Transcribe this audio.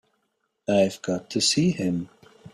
I've got to see him.